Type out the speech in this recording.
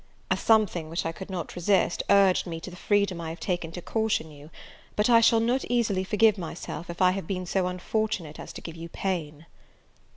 A something which I could not resist, urged me to the freedom I have taken to caution you; but I shall not easily forgive myself if I have been so unfortunate as to give you pain."